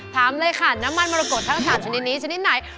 ถามเลยค่ะน้ำมันมรกฏทั้ง๓ชนิดนี้ชนิดไหน